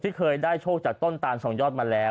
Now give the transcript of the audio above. เคยได้โชคจากต้นตานสองยอดมาแล้ว